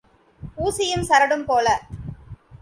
ஊசியும் சரடும் போல.